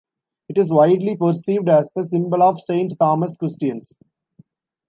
It is widely perceived as the symbol of Saint Thomas Christians.